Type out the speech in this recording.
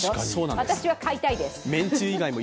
私は買いたいです！